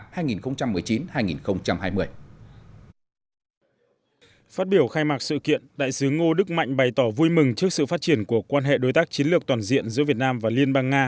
phát biểu khai mạc sự kiện đại sứ ngô đức mạnh bày tỏ vui mừng trước sự phát triển của quan hệ đối tác chiến lược toàn diện giữa việt nam và liên bang nga